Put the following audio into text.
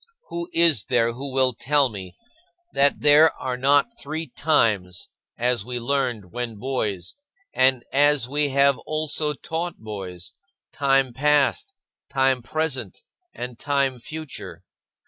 Who is there who will tell me that there are not three times as we learned when boys and as we have also taught boys time past, time present, and time future?